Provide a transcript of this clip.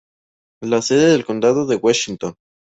Es sede del condado de Washington.